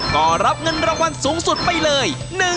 ก็รับเงินรางวัลสูงสุดไปเลย